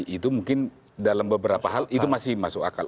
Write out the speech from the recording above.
itu mungkin dalam beberapa hal itu masih masuk akal